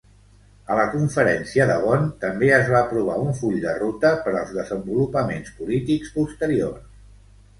A la Conferència de Bonn també es va aprovar un full de ruta per als desenvolupaments polítics posteriors.